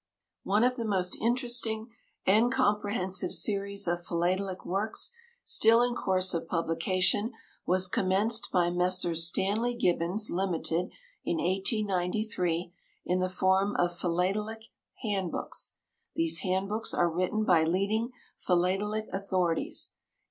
One of the most interesting and comprehensive series of philatelic works, still in course of publication, was commenced by Messrs. Stanley Gibbons, Ltd., in 1893, in the form of philatelic handbooks. These handbooks are written by leading philatelic authorities.